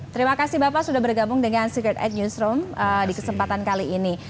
terima kasih bapak sudah bergabung dengan secret at newsroom di kesempatan kali ini